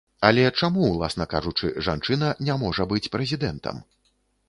Але чаму, уласна кажучы, жанчына не можа быць прэзідэнтам?